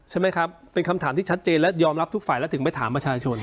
ใช่ไหมครับเป็นคำถามที่ชัดเจนและยอมรับทุกฝ่ายแล้วถึงไปถามประชาชน